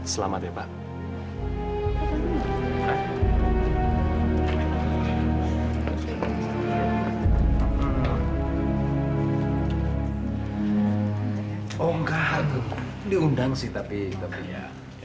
sampai jumpa di video selanjutnya